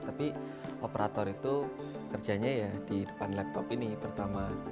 tapi operator itu kerjanya ya di depan laptop ini pertama